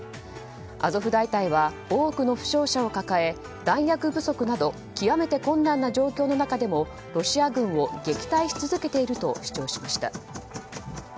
アゾフ大隊は多くの負傷者を抱え弾薬不足など極めて困難な状況の中でもロシア軍を撃退し続けていると主張しました。